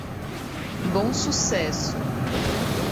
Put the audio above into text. Bom Sucesso